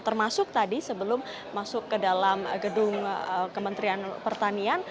termasuk tadi sebelum masuk ke dalam gedung kementerian pertanian